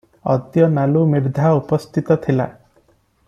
ଅଦ୍ୟ ନାଲୁ ମିର୍ଦ୍ଧା ଉପସ୍ଥିତ ଥିଲା ।